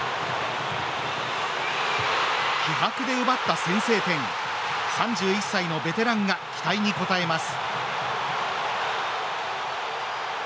気迫で奪った先制点３１歳のベテランが期待に応えます。